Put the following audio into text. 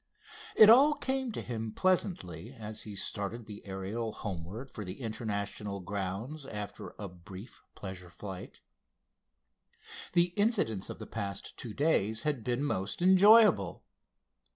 It all came to him pleasantly as he started the Ariel homeward for the International grounds after a brief pleasure flight. The incidents of the past two days had been most enjoyable.